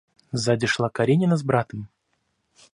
Сзади шла Каренина с братом.